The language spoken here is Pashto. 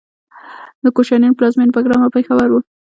د کوشانیانو پلازمینه بګرام او پیښور و